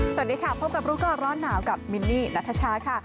สวัสดีค่ะ